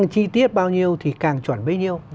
chi tiết bao nhiêu thì càng chuẩn bấy nhiêu